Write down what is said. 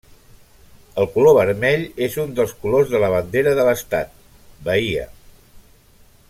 El color vermell és un dels colors de la bandera de l'estat, Bahia.